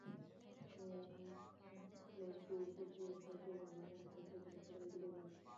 আমন্ত্রণ পেয়েও চ্যাম্পিয়ন শেখ জামাল ধানমন্ডি শেষ পর্যন্ত সাড়াই দিল না।